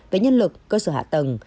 với nhân lực cơ sở hạ tầng